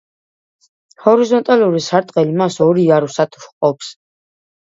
ჰორიზონტალური სარტყელი მას ორ იარუსად ჰყოფს.